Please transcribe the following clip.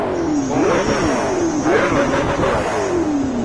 Omuyindi ayonona olutobazi.